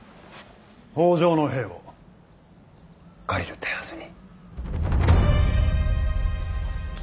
北条の兵を借りる手はずに。